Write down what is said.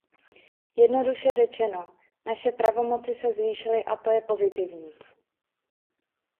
Jednoduše řečeno, naše pravomoci se zvýšily a to je pozitivní.